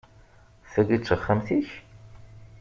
Tagi d taxxamt-ik?